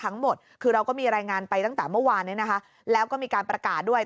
ทั้งหมดคือเราก็มีรายงานไปตั้งแต่เมื่อวานเนี่ยนะคะแล้วก็มีการประกาศด้วย